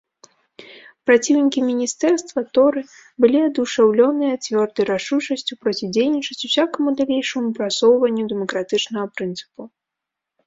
Праціўнікі міністэрства, торы, былі адушаўлёныя цвёрдай рашучасцю процідзейнічаць усякаму далейшаму прасоўванню дэмакратычнага прынцыпу.